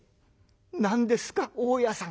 「何ですか大家さん」。